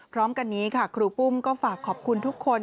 พร้อมกันนี้ค่ะครูปุ้มก็ฝากขอบคุณทุกคน